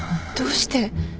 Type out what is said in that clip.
どうして？